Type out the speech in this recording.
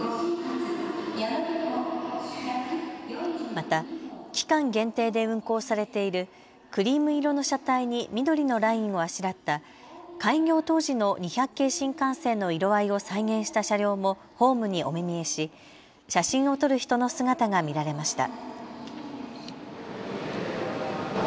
また期間限定で運行されているクリーム色の車体に緑のラインをあしらった開業当時の２００系新幹線の色合いを再現した車両もホームにお目見えし、写真を撮る人の姿が見られました。